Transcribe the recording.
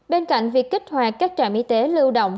bên cạnh việc kích hoạt các trạm y tế lưu động